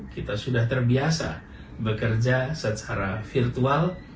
kita sudah terbiasa bekerja secara virtual